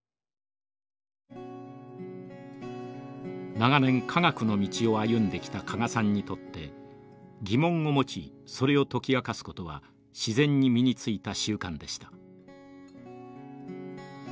長年科学の道を歩んできた加賀さんにとって疑問を持ちそれを解き明かすことは自然に身に付いた習慣でした。